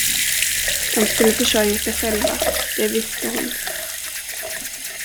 De skulle försörja sig själva, det visste hon.